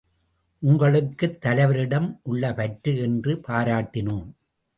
உங்களுக்குத் தலைவரிடம் உள்ள பற்று என்று பாராட்டினோம்.